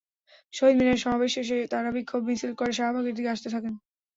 শহীদ মিনারে সমাবেশ শেষে তাঁরা বিক্ষোভ মিছিল করে শাহবাগের দিকে আসতে থাকেন।